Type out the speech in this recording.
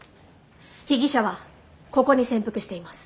被疑者はここに潜伏しています。